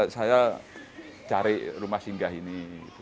saya cari rumah singgah ini